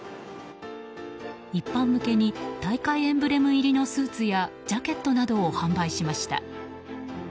一般向けに大会エンブレム入りのスーツやジャケットなどを販売しました。